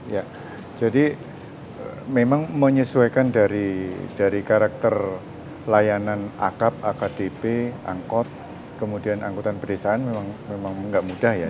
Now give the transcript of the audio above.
ya jadi memang menyesuaikan dari karakter layanan akap akdp angkot kemudian angkutan pedesaan memang nggak mudah ya